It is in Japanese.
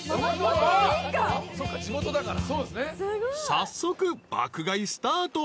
［早速爆買いスタート］